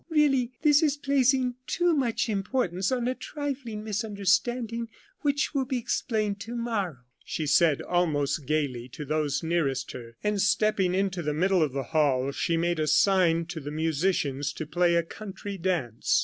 "Really this is placing too much importance on a trifling misunderstanding which will be explained to morrow," she said, almost gayly, to those nearest her. And stepping into the middle of the hall she made a sign to the musicians to play a country dance.